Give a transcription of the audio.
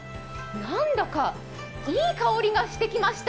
なんだかいい香りがしてきました。